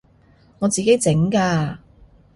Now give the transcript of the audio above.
我自己整㗎